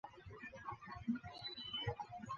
梅森县是美国德克萨斯州中部的一个县。